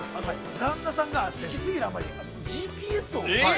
旦那さんが好き過ぎる余りにＧＰＳを。